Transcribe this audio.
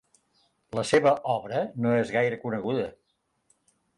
La seva obra no és gaire coneguda.